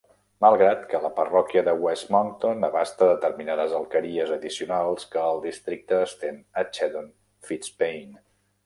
Malgrat que la parròquia de "West Monkton" abasta determinades alqueries addicionals que el districte estén a Cheddon Fitzpaine.